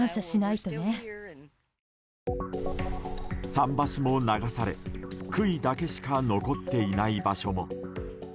桟橋も流され杭だけしか残っていない場所も。